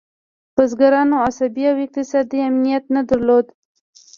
بزګرانو عصبي او اقتصادي امنیت نه درلود.